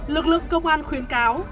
lực lượng công an khuyên cáo